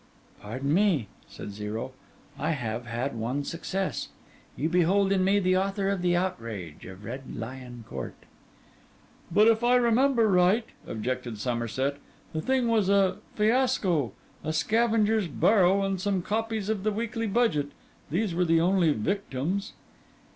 'Pardon me,' said Zero. 'I have had one success. You behold in me the author of the outrage of Red Lion Court.' 'But if I remember right,' objected Somerset, 'the thing was a fiasco. A scavenger's barrow and some copies of the Weekly Budget—these were the only victims.